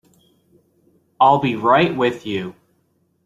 I'll be right with you.